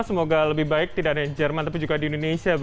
semoga lebih baik tidak hanya jerman tapi juga di indonesia